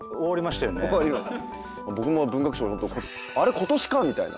僕も文学賞あれ今年かみたいな。